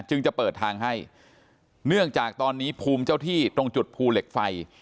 จะเปิดทางให้เนื่องจากตอนนี้ภูมิเจ้าที่ตรงจุดภูเหล็กไฟ